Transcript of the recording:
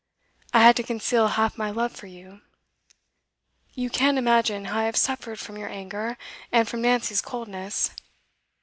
I had to conceal half my love for you. You can't imagine how I have suffered from your anger, and from Nancy's coldness.